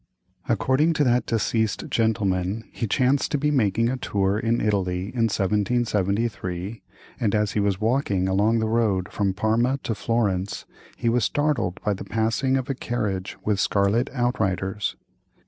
According to that deceased gentleman, he chanced to be making a tour in Italy, in 1773, and as he was walking along the road from Parma to Florence, he was startled by the passing of a carriage with scarlet outriders.